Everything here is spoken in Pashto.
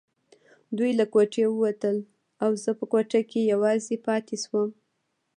دوی له کوټې ووتل او زه په کوټه کې یوازې پاتې شوم.